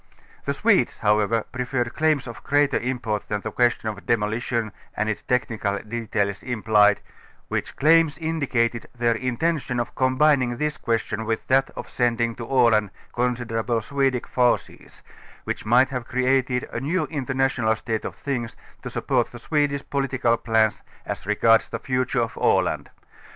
The Swedes, however, preferred claims of greater import than the question of demolition and its technical details im plied, which claims indicated their intention of combining this question with that of sending to Aland considerable Swe dish forces, which might have created a new international state of things to support the Swedish political plans as regards the future of Aland.